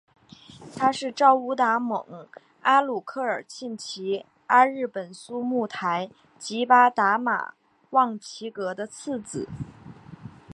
他是昭乌达盟阿鲁科尔沁旗阿日本苏木台吉巴达玛旺其格的次子。